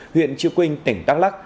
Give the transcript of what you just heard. huyện triều quynh tỉnh đắk lắc